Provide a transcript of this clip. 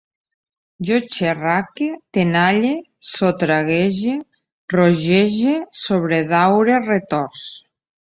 Jo xerraque, tenalle, sotraguege, rogege, sobredaure, retorç